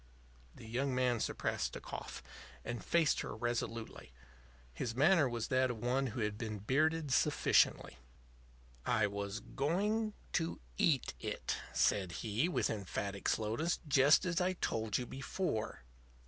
The young man suppressed a cough and faced her resolutely. His manner was that of one who had been bearded sufficiently. "I was going to eat it," said he, with emphatic slowness; "just as I told you before."